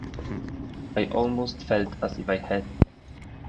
I almost felt as if I had.